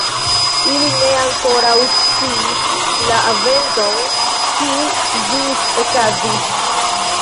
Ili ne ankoraŭ sciis la eventon kiu ĵus okazis.